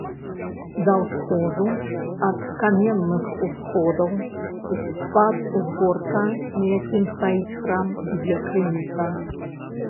Да ўсходу ад каменных усходаў з-пад узгорка, на якім стаіць храм, б'е крыніца.